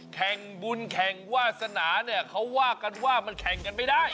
แข่งบุญแข่งวาสนาเนี่ยเขาว่ากันว่ามันแข่งกันไม่ได้